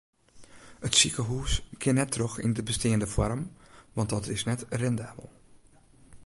It sikehûs kin net troch yn de besteande foarm want dat is net rendabel.